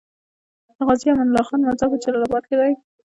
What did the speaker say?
د غازي امان الله خان مزار په جلال اباد کی دی